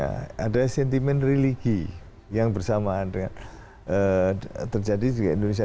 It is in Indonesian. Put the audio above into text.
terjadi di timur tengah misalnya ada sentimen religi yang bersamaan dengan terjadi di indonesia